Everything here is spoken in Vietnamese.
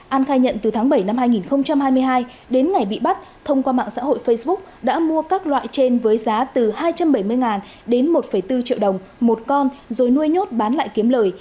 an khai nhận từ tháng bảy năm hai nghìn hai mươi hai đến ngày bị bắt thông qua mạng xã hội facebook đã mua các loại trên với giá từ hai trăm bảy mươi đến một bốn triệu đồng một con rồi nuôi nhốt bán lại kiếm lời